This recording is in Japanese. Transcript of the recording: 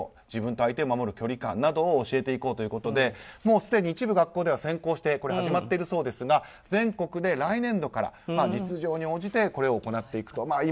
自分と相手を守る距離感などを教えていこうということでもうすでに一部学校では先行して始まっているそうですが全国で来年度から実情に応じてこれを行っていくと。